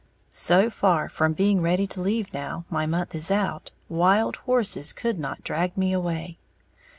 So far from being ready to leave now my month is out, wild horses could not drag me away.